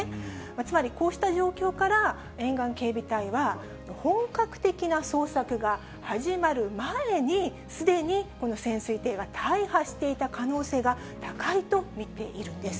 つまり、こうした状況から、沿岸警備隊は、本格的な捜索が始まる前に、すでにこの潜水艇が大破していた可能性が高いと見ているんです。